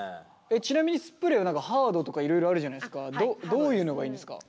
ちなみにスプレーはハードとかいろいろあるじゃないですかどういうのがいいんですか？